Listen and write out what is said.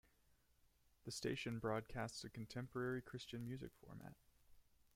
The station broadcasts a contemporary Christian music format.